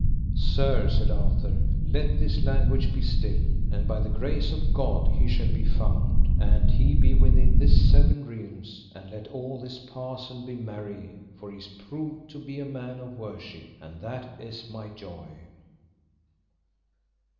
Sir, said Arthur, let this language be still, and by the grace of God he shall be found an he be within this seven realms, and let all this pass and be merry, for he is proved to be a man of worship, and that is my joy.